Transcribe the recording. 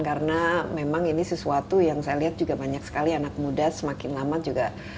karena memang ini sesuatu yang saya lihat juga banyak sekali anak muda semakin lama juga